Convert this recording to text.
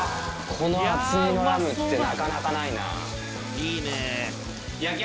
この厚みのラムってなかなかないな。